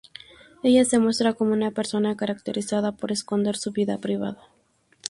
Ella se muestra como una persona caracterizada por esconder su vida privada.